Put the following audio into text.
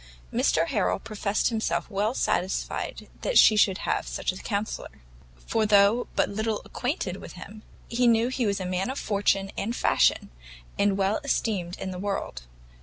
Mr Harrel professed himself well satisfied that she should have such a counsellor; for though but little acquainted with him, he knew he was a man of fortune and fashion, and well esteemed in the world.